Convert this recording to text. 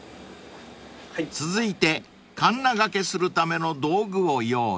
［続いてかんながけするための道具を用意］